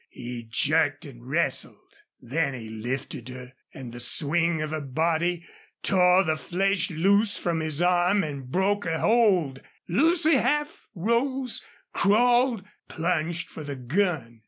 He jerked and wrestled. Then he lifted her, and the swing of her body tore the flesh loose from his arm and broke her hold. Lucy half rose, crawled, plunged for the gun.